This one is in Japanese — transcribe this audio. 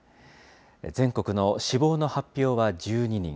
全国の死亡の発表は１２人。